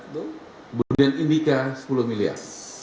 kemudian indica sepuluh miliar